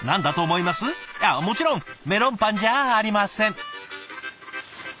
いやもちろんメロンパンじゃありません。